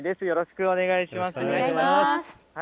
よろしくお願いします。